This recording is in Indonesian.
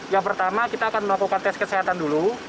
yang pertama kita akan melakukan tes kesehatan dulu